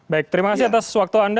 baik terima kasih atas waktu anda